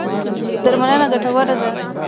درملنه ګټوره ده.